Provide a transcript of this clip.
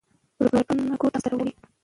روباټونه کور ته مرسته راوړي.